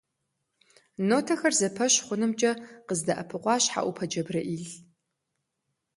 Нотэхэр зэпэщ хъунымкӀэ къыздэӀэпыкъуащ ХьэӀупэ ДжэбрэӀил.